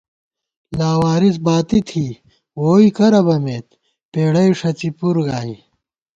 لاوارِث باتی تھی ووئی کرہ بَمېت پېڑَئی ݭڅی پُر گائی